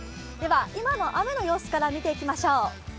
今の雨の様子から見ていきましょう。